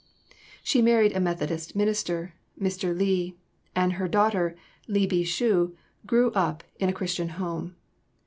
She married a Methodist minister, Mr. Li, and her daughter, Li Bi Cu, grew up in a Christian home.